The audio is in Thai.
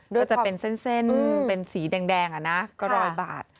ก็จะเป็นเส้นเป็นสีแดงก็รอยบาด